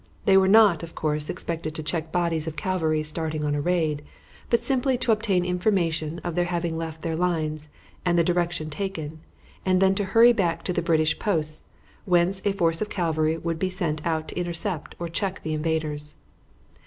They were not, of course, expected to check bodies of cavalry starting on a raid, but simply to obtain information of their having left their lines and of the direction taken, and then to hurry back to the British posts, whence a force of cavalry would be sent out to intercept or check the invaders.